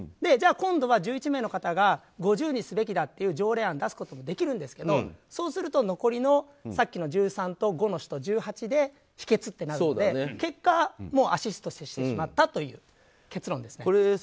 じゃあ今度は１１名の方が５０にすべきだという条例案を出すこともできるんですけどそうすると残りのさっきの１３と５の人１８で否決となるので結果、アシストしてしまったという結論ですね。